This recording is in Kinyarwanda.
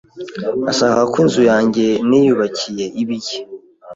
ashaka ko ya nzu yanjye niyubakiye iba iye,